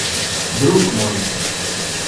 Друг мой!